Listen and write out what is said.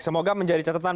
semoga menjadi catatan